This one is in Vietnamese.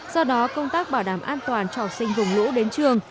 do đó công tác bảo đảm an toàn cho học sinh vùng lũ đến trường